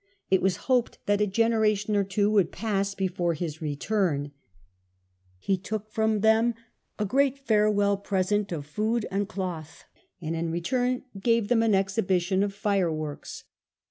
It was hoped that a generation or two would pass before his return, lie took from them a great farewell i^resent of food and cloth, and in return gave them an exhibition of ftreworks.